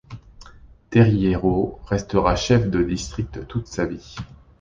Teriieroo restera chef de district toute sa vie.